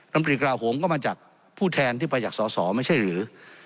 ตรีกราโหมก็มาจากผู้แทนที่ไปจากสอสอไม่ใช่หรือ